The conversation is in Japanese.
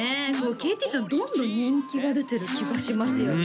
ＫＴちゃんどんどん人気が出てる気がしますよね